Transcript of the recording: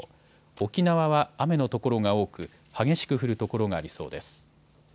沖縄は雨の所が多く激しく降る所がありそうです。